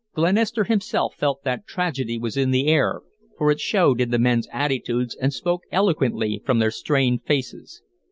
Glenister himself felt that tragedy was in the air, for it showed in the men's attitudes and spoke eloquently from their strained faces.